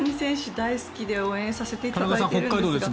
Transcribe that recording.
大好きで応援させていただいてるんですけど。